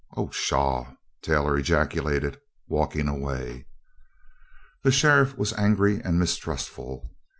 "Oh, pshaw!" Taylor ejaculated, walking away. The sheriff was angry and mistrustful.